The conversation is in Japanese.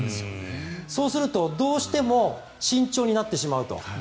そうすると、どうしても慎重になってしまうと。